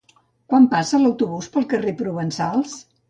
Quan passa l'autobús pel carrer Provençals?